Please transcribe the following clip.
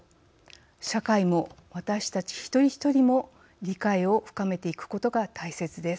社会も、私たち一人一人も理解を深めていくことが大切です。